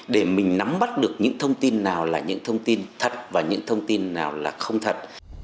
để mình nắm bắt được những thông tin nào là những thông tin thật và những thông tin nào là không thật